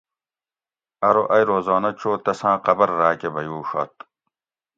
ارو ائ روزانہ چو تساۤں قبر راۤک کہ بیوڛت